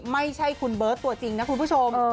ไม่ใช่คุณเบิร์ตตัวจริงนะคุณผู้ชม